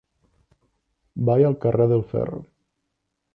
Vaig al carrer del Ferro.